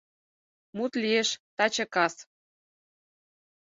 Мут лиеш таче кас!..»